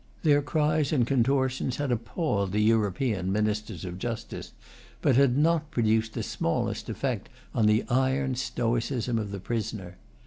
Their cries and contortions had appalled the European ministers of justice, but had not produced the smallest effect on the iron stoicism of the prisoner.